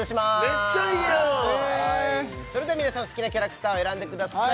めっちゃいいやーんそれでは皆さん好きなキャラクターを選んでください